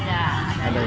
ada ada yang menjaga